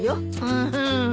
うん。